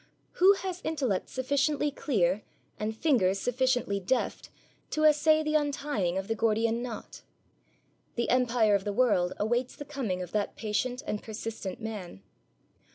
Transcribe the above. Who has intellect sufficiently clear, and fingers sufficiently deft, to essay the untying of the Gordian knot? The empire of the world awaits the coming of that patient and persistent man.